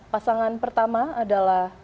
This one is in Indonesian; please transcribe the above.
pasangan pertama adalah